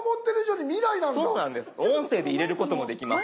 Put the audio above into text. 音声で入れることもできます。